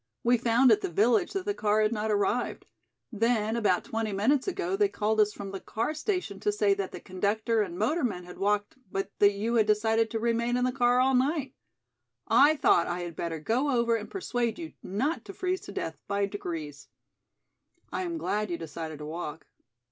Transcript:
We found at the village that the car had not arrived. Then about twenty minutes ago they called us from the car station to say that the conductor and motorman had walked but that you had decided to remain in the car all night. I thought I had better go over and persuade you not to freeze to death by degrees. I am glad you decided to walk.